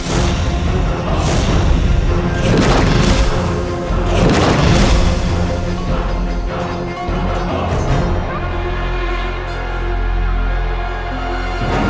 lelaki ini namanya siapapun